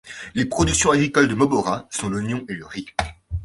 Les productions agricoles de Mobara sont l'oignon et le riz.